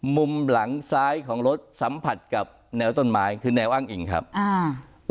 มุมหลังซ้ายของรถสัมผัสกับแนวต้นไม้คือแนวอ้างอิงครับอ่า